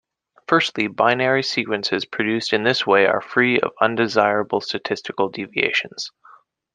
Firstly, binary sequences produced in this way are free of undesirable statistical deviations.